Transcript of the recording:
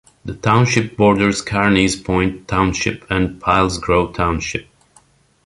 The township borders Carneys Point Township and Pilesgrove Township.